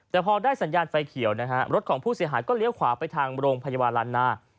แต่พอได้สัญญาณไฟเขียวนะฮะรถของผู้เสียหายก็เลี้ยวขวาไปทางโรงพยาบาลล้านนา